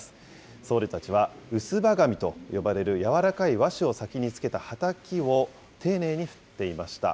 僧侶たちは薄葉紙と呼ばれる柔らかい和紙を先に付けたはたきを丁寧に振っていました。